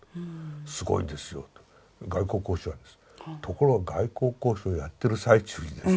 ところが外交交渉やってる最中にですね